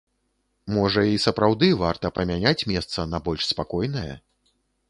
Можа і сапраўды варта памяняць месца на больш спакойнае?